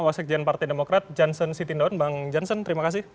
wasik jenderal partai demokrat janssen sitindaun bang janssen terima kasih